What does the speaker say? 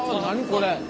これ！